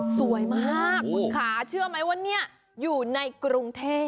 สวยมากคุณค่ะเชื่อไหมว่านี่อยู่ในกรุงเทพ